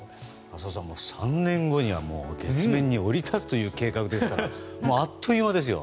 浅尾さん、３年後には月面に降り立つという計画ですからあっという間ですよ。